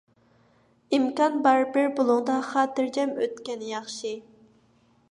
ئىمكان بار، بىر بۇلۇڭدا خاتىرجەم ئۆتكەن ياخشى.